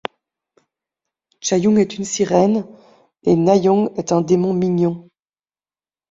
Chaeyoung est une sirène et Nayeon est un démon mignon.